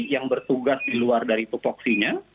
yang bertugas di luar dari tupoksinya